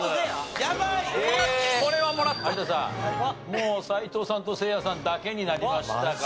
もう斎藤さんとせいやさんだけになりましたから。